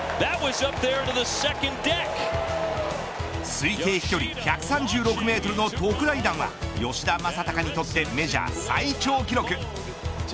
推定飛距離１３６メートルの特大弾は吉田正尚にとってメジャー最長記録。